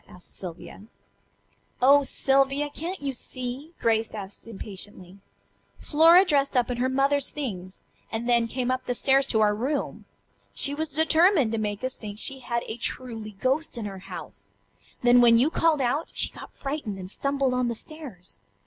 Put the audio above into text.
asked Sylvia. "Oh, Sylvia! Can't you see?" Grace asked impatiently. "Flora dressed up in her mother's things, and then came up the stairs to our room. She was determined to make us think she had a truly ghost in her house. Then when you called out, she got frightened and stumbled on the stairs.